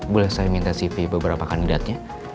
boleh saya minta cv beberapa kandidatnya